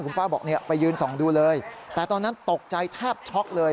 คุณป้าบอกไปยืนส่องดูเลยแต่ตอนนั้นตกใจแทบช็อกเลย